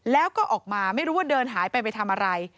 แล้วก็ออกมาไม่รู้ว่าเดินหายไปไปทำอะไร